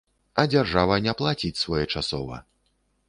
А дзяржава не плаціць своечасова.